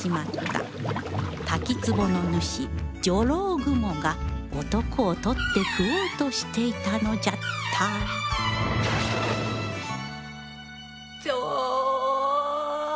滝つぼの主絡新婦が男を取って食おうとしていたのじゃったぞおお！